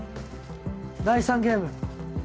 第３ゲーム